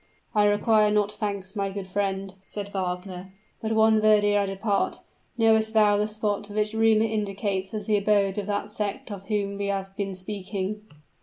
"I require not thanks, my good friend," said Wagner. "But one word ere I depart. Knowest thou the spot which rumor indicates as the abode of that sect of whom we have been speaking?"